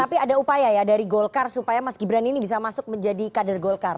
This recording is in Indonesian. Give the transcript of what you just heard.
tapi ada upaya ya dari golkar supaya mas gibran ini bisa masuk menjadi kader golkar